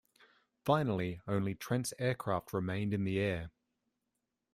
Finally only Trent's aircraft remained in the air.